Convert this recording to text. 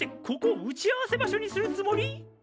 ここを打ち合わせ場所にするつもり！？